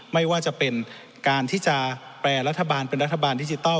ไม่ว่าจะเป็นการที่จะแปรรัฐบาลเป็นรัฐบาลดิจิทัล